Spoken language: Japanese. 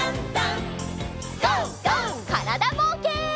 からだぼうけん。